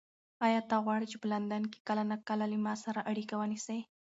ایا ته غواړې چې په لندن کې کله ناکله له ما سره اړیکه ونیسې؟